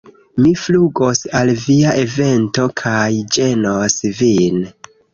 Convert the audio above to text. Mi flugos al via evento kaj ĝenos vin!